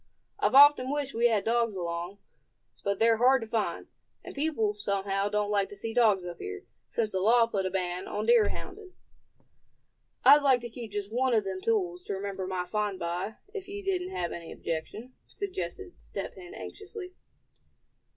I've often wished we had dogs along; but they're hard to find; and people, somehow, don't like to see dogs up here, since the law put a ban on deer hounding." "I'd like to keep just one of them tools, to remember my find by, if you didn't have any objection," suggested Step Hen anxiously.